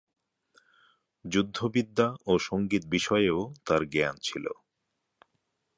যুদ্ধবিদ্যা ও সঙ্গীত বিষয়েও তাঁর জ্ঞান ছিল।